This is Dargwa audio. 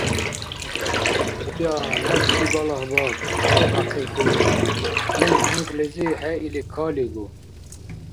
— Гьуя-я! Набчи балагь бакӀ! — вявбяхъиб хьунуй. — Нуни хӀенкьлизи хӀеили калигу!